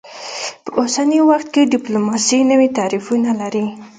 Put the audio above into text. په اوسني وخت کې ډیپلوماسي نوي تعریفونه لري